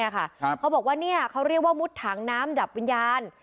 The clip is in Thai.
เขาบอกว่ามุดถังน้ำดับวิญญาณ